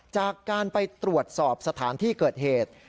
จากการไปตรวจสอบสถานที่เกิดเหตุ